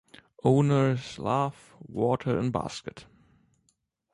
Owner’s love, water in basket.